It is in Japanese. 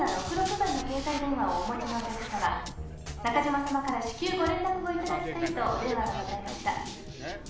番の携帯電話をお持ちのお客さま中嶋様から至急ご連絡をいただきたいとお電話がございました。